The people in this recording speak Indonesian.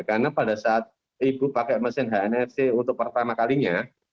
karena pada saat ibu pakai mesin hnfc untuk pertama kalinya